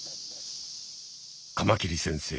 カマキリ先生